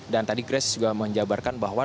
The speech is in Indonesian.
dan tadi kris juga menjabarkan bahwa